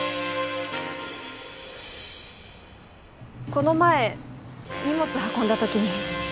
この前荷物運んだ時に。